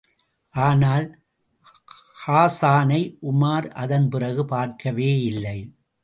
ஆனால், ஹாஸானை உமார் அதன் பிறகு பார்க்கவேயில்லை.